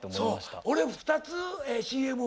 俺２つＣＭ。